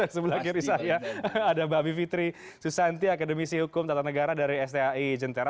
sebelah kiri saya ada mbak bivitri susanti akademisi hukum tata negara dari skai jentera